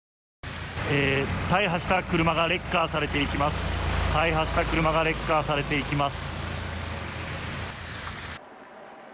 大破した車がレッカーされていきます。